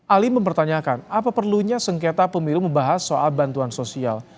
ali mempertanyakan apa perlunya sengketa pemilu membahas soal bantuan sosial